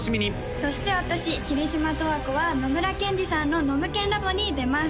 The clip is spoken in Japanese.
そして私桐島十和子は野村ケンジさんのノムケンＬａｂ！に出ます